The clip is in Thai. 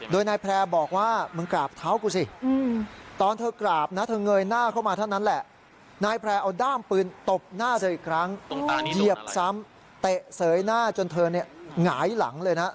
โดยนายแพร่บอกว่ามึงกราบเท้ากูสิตอนเธอกราบนะเธอเงยหน้าเข้ามาเท่านั้นแหละนายแพร่เอาด้ามปืนตบหน้าเธออีกครั้งเหยียบซ้ำเตะเสยหน้าจนเธอเนี่ยหงายหลังเลยนะ